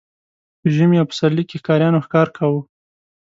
په ژمي او پسرلي کې ښکاریانو ښکار کاوه.